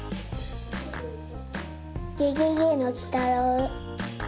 ゲゲゲのきたろう。